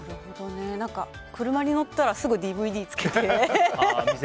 車に乗ったらすぐＤＶＤつけて。